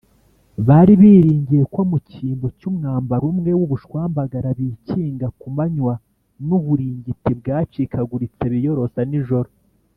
bari biringiye ko mu cyimbo cy’umwambaro umwe w’ubushwambagara bikinga ku manywa n’uburingiti bwacikaguritse biyorosa nijoro,